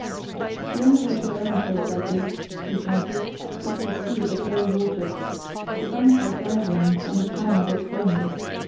"The only way to learn a place like this," he shouted, "is to see it at low water. The banks are dry then, and the channels are plain.